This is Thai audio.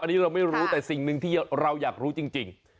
อันนี้เราไม่รู้แต่สิ่งหนึ่งที่เราอยากรู้จริง